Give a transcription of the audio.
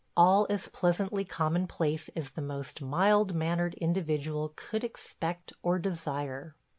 All as pleasantly commonplace as the most mild mannered individual could expect or desire.